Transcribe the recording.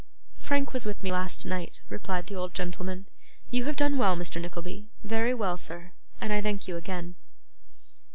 'Frank was with me last night,' replied the old gentleman. 'You have done well, Mr. Nickleby very well, sir and I thank you again.